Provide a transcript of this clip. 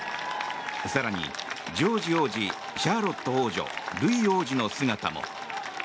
更に、ジョージ王子シャーロット王女ルイ王子の姿も。